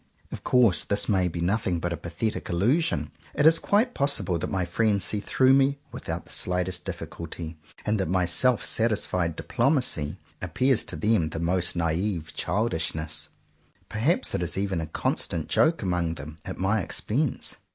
Of course this may be nothing but a pathetic illusion. It is quite possible that my friends see through me without the slightest difficulty, and that my self satisfied diplomacy appears to them the most naive childishness. Perhaps it is even a constant joke among them at my expense.